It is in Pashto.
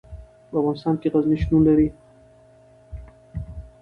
په افغانستان کې غزني شتون لري.